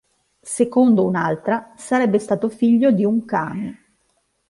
Secondo un'altra sarebbe stato figlio di un kami.